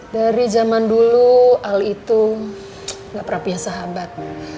dari zaman dulu al itu gak perapiah sahabat